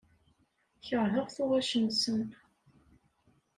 Keṛheɣ tuɣac-nsen.